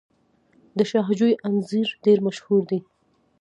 د شاه جوی انځر ډیر مشهور دي.